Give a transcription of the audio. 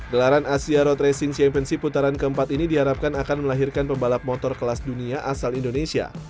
gelaran asia road racing championship putaran keempat ini diharapkan akan melahirkan pembalap motor kelas dunia asal indonesia